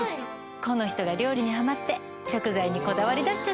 この人が料理にハマって食材にこだわり出しちゃって。